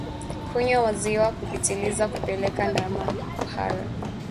Kunywa maziwa kupitiliza hupelekea ndama kuhara